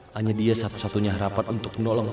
hanya dia satu satunya harapan untuk menolong papa